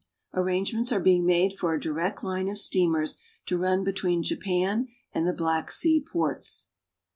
Arrangements are being made for a direct line of steamers to run between Japan and the Black sea ports.